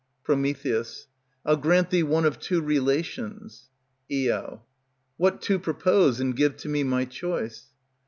Pr. I'll grant thee one of two relations. Io. What two propose, and give to me my choice.